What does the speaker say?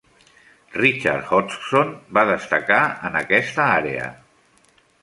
Richard Hodgson va destacar en aquesta àrea.